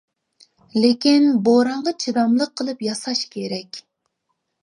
لېكىن بورانغا چىداملىق قىلىپ ياساش كېرەك.